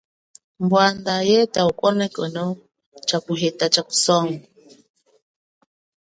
Bwanda yeta ukonekeno wakuheta cha kusongo.